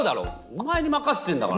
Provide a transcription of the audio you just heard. お前に任せてんだからさ。